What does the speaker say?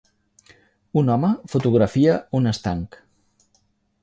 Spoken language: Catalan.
Un home fotografia un estanc.